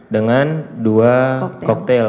dengan dua koktel